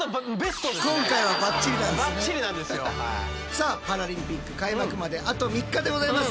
さあパラリンピック開幕まであと３日でございます。